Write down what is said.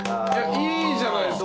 いいじゃないですか。